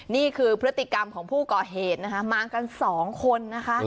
นี่คือพฤติกรรมของผู้ก่อเหตุนะคะมากันสองคนนะคะ